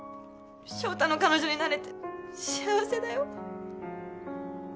翔太の彼女になれて幸せだよ。